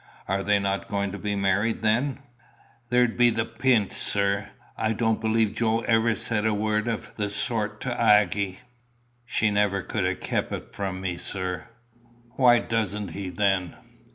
"Are they not going to be married then?" "There be the pint, sir. I don't believe Joe ever said a word o' the sort to Aggy. She never could ha' kep it from me, sir." "Why doesn't he then?"